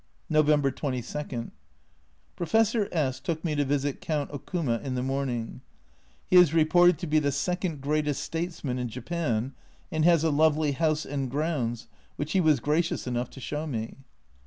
November 22. Professor S took me to visit Count Okuma in the morning ; he is reported to be the second greatest statesman in Japan, and has a lovely house and grounds, which he was gracious enough to show me.